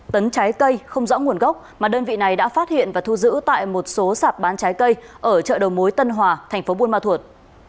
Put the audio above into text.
hai tấn trái cây không rõ nguồn gốc mà đơn vị này đã phát hiện và thu giữ tại một số sạp bán trái cây ở chợ đầu mối tân hòa thành phố buôn ma thuột